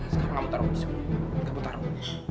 sekarang kamu taruh pisau kamu taruh